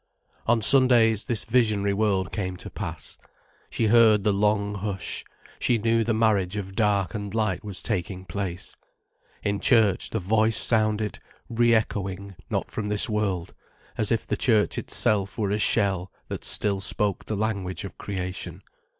On Sundays, this visionary world came to pass. She heard the long hush, she knew the marriage of dark and light was taking place. In church, the Voice sounded, re echoing not from this world, as if the Church itself were a shell that still spoke the language of creation.